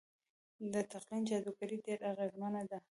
د تلقين جادوګري ډېره اغېزمنه ده.